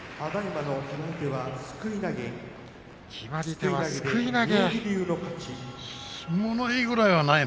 決まり手は、すくい投げ。